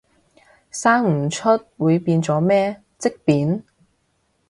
生唔出會變咗咩，積便？